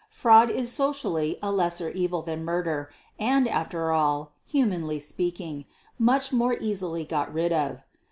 Fraud is socially a lesser evil than murder; and after all humanly speaking much more easily got rid of.